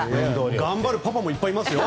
頑張るパパもいっぱいいますよ。